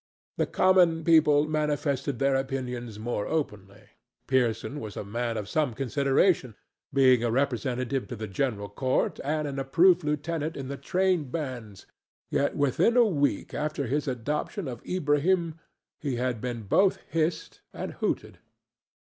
The common people manifested their opinions more openly. Pearson was a man of some consideration, being a representative to the General Court and an approved lieutenant in the train bands, yet within a week after his adoption of Ilbrahim he had been both hissed and hooted.